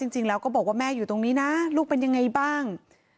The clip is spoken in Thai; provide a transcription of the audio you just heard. จริงแล้วก็บอกว่าแม่อยู่ตรงนี้นะลูกเป็นยังไงบ้าง